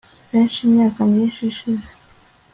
Benshi imyaka myinshi ishize